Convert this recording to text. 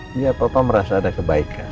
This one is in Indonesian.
dia apa apa merasa ada kebaikan